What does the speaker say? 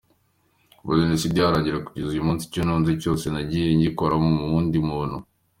Kuva Jenoside yarangira kugeza uyu munsi, icyo ntunze cyose nagiye ngikomora ku wundi muntu.